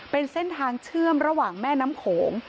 เป็นเส้นทางเชื่อมระหว่างแม่น้ำโขง